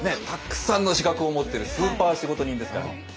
たっくさんの資格を持ってるスーパー仕事人ですから。